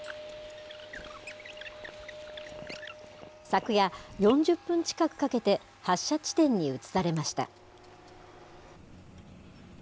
昨夜、４０分近くかけて発射地点に移されました。